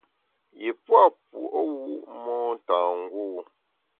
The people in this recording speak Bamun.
Yi pua’ puo’wu’ motângû.